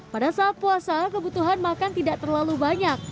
pada saat puasa kebutuhan makan tidak terlalu banyak